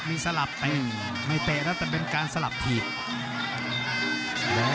มีสลับเตะไม่เตะแล้วแต่เป็นการสลับถีบ